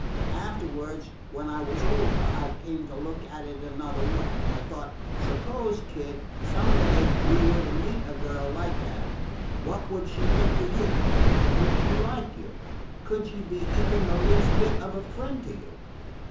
Afterwards, when I was older, I came to look at it in another way. I thought, 'Suppose, Kid, some day you were to meet a girl like that, what would she think of you? Could she like you? Could she be even the least bit of a friend to you?'